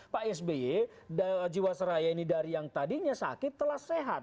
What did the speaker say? pak sby jiwaseraya ini dari yang tadinya sakit telah sehat